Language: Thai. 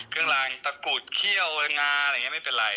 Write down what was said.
กลางตะกรุดเขี้ยวงาอะไรอย่างนี้ไม่เป็นไร